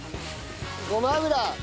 ごま油。